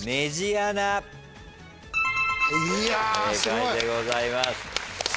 正解でございます。